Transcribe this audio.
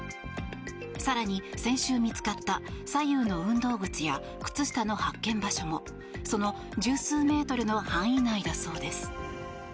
更に、先週見つかった左右の運動靴や靴下の発見場所もその１０数メートルの範囲内だそうです。